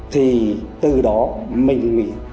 thì từ đó mình